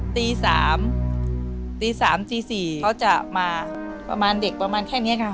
ตีสามตีสามตีสี่เขาจะมาประมาณเด็กประมาณแค่เนี้ยค่ะ